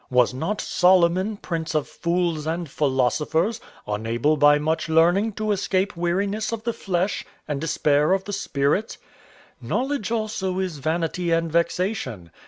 Was not Solomon, prince of fools and philosophers, unable by much learning to escape weariness of the flesh and despair of the spirit? Knowledge also is vanity and vexation.